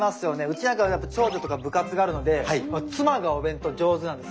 うちなんかは長女とか部活があるので妻がお弁当上手なんですよ。